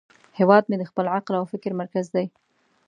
هیواد مې د خپل عقل او فکر مرکز دی